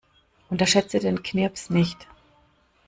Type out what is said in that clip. Unterschätze den Knirps nicht.